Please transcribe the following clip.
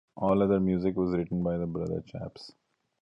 All other music was written by The Brothers Chaps.